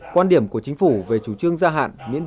quan điểm của chính phủ về chủ trương gia hạn miễn